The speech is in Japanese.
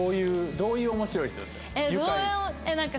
どういう面白い人ですか？